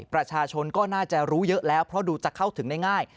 ประชาชนก็น่าจะรู้เยอะแล้วเพราะดูจะเข้าถึงได้ง่าย